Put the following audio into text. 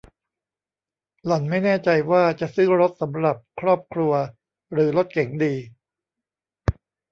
หล่อนไม่แน่ใจว่าจะซื้อรถสำหรับครอบครัวหรือรถเก๋งดี